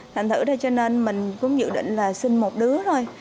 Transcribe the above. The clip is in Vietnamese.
thành thử cho nên mình cũng dự định là sinh một đứa thôi